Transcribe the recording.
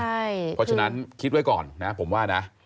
เพราะฉะนั้นคิดไว้ก่อนนะผมว่านะ